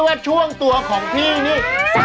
ว่าช่วงตัวของพี่นี่